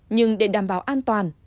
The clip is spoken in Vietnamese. nhưng để đảm bảo an toàn